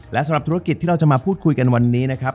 และสำหรับธุรกิจที่เราจะมาพูดคุยกันวันนี้นะครับ